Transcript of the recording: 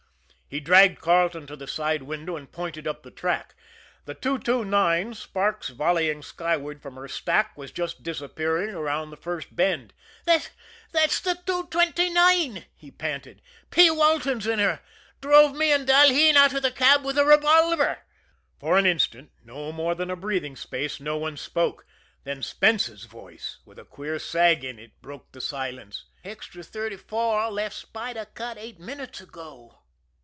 He dragged Carleton to the side window, and pointed up the track the 229, sparks volleying skyward from her stack, was just disappearing around the first bend. "That's that's the two twenty nine!" he panted. "P. Walton's in her drove me and Dalheen out of the cab with a revolver." For an instant, no more than a breathing space, no one spoke; then Spence's voice, with a queer sag in it, broke the silence: "Extra Thirty four left Spider Cut eight minutes ago."